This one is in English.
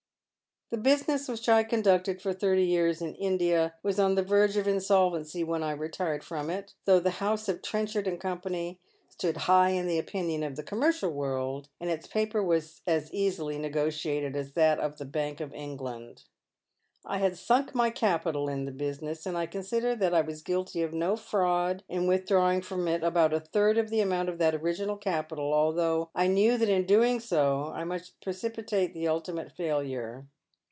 "The business which I conducted for thirty years in India wan on the verge of insolvency when I retired fi om it, though th4 house of Trenchard and Co. stood high in the opinion of the commercial world, and its paper was as easily negotiated as that of the Bank of England. I had sunk my capital in the business, and I consider that I was guilty of no fraad in withdrawing from it about a third of the amount of that original capital, although I knew that in so doing I must precipitate the ultimate failure.